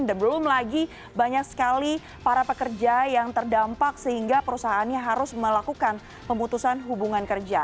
dan belum lagi banyak sekali para pekerja yang terdampak sehingga perusahaannya harus melakukan pemutusan hubungan kerja